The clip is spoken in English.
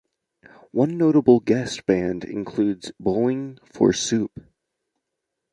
One notable guest band includes Bowling for Soup.